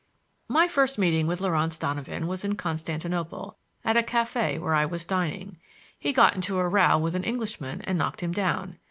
My first meeting with Laurance Donovan was in Constantinople, at a café where I was dining. He got into a row with an Englishman and knocked him down.